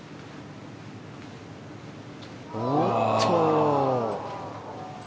おっと。